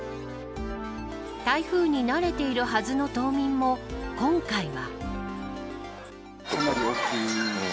台風に慣れているはずの島民も今回は。